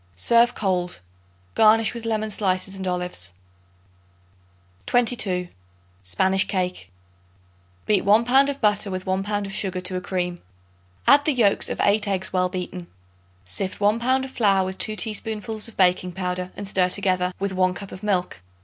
Serve cold. Garnish with lemon slices and olives. 22. Spanish Cake. Beat 1 pound of butter with 1 pound of sugar to a cream. Add the yolks of 8 eggs well beaten. Sift 1 pound of flour with 2 teaspoonfuls of baking powder and stir together with 1 cup of milk.